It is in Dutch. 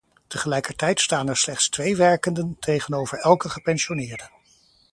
Tegelijkertijd staan er slechts twee werkenden tegenover elke gepensioneerde.